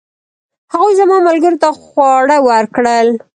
هغوی زما ملګرو ته خواړه ورکړل.